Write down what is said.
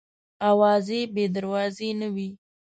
اوازې بې دروازې نه وي.